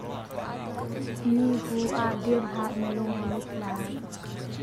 Nihu ah dir hlah na lung a mit lai.